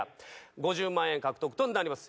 ５０万円獲得となります。